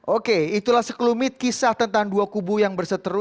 oke itulah sekelumit kisah tentang dua kubu yang berseteru